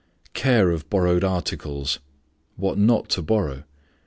Care of borrowed articles. _What not to borrow.